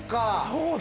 そうだ。